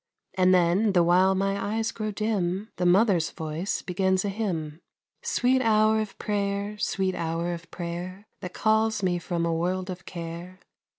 And then, the while my eyes grow dim, The mother's voice begins a hymn: "_Sweet hour of prayer, sweet hour of prayer That calls me from a world of care!